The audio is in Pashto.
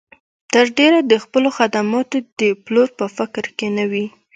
تر ډېره د خپلو خدماتو د پلور په فکر کې نه وي.